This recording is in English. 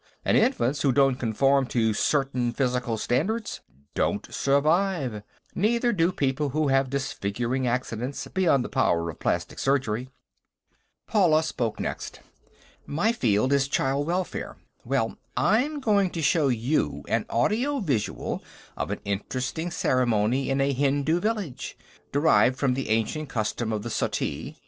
And infants who don't conform to certain physical standards don't survive. Neither do people who have disfiguring accidents beyond the power of plastic surgery." Paula spoke next. "My field is child welfare. Well, I'm going to show you an audio visual of an interesting ceremony in a Hindu village, derived from the ancient custom of the suttee.